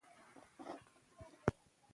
څورلس لکه روپۍ يې له ځان سره واخستې.